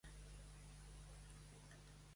Hartnett va morir per síndrome del fetge alcohòlic.